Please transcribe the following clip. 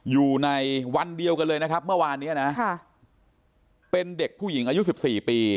อยู่ในวันเดียวกันเลยนะครับเมื่อวานเนี้ยนะเป็นเด็กผู้หญิงอายุ๑๔ปี